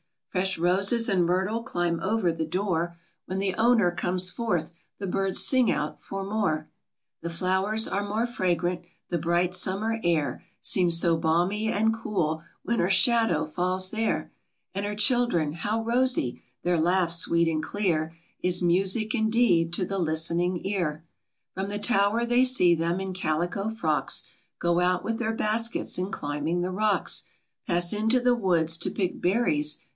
Fresh roses and myrtle climb over the door; When the owner comes forth, the birds sing out the more. The flowers are more fragrant; the bright summer air Seems so balmy and cool when her shadow falls there ; And her children, how rosy ! Their laugh sweet and clear, Is music, indeed, to the listening ear. From the tower they see them, in calico frocks, Go out with their baskets, and climbing the rocks, Pass into the woods to pick berries.